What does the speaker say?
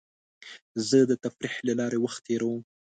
زه د تفریح له لارې وخت تېرووم.